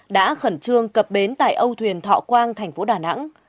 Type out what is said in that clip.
đã khẩn trương cập bến tại âu thuyền thọ quang tp đà nẵng